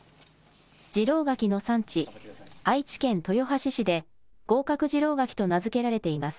次郎柿の産地、愛知県豊橋市で合格次郎柿と名付けられています。